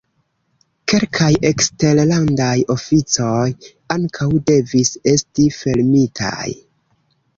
Kelkaj eksterlandaj oficoj ankaŭ devis esti fermitaj.